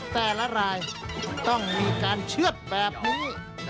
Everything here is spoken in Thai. แต่ละรายต้องมีการเชื่อดแบบนี้